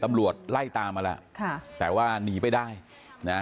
ตำรวจไล่ตามมาแล้วค่ะแต่ว่าหนีไปได้นะฮะ